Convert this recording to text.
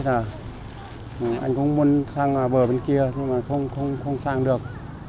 thì anh cũng muốn sang bờ bên kia nhưng mà không sang được